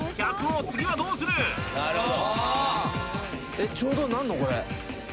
えっちょうどなんのこれ？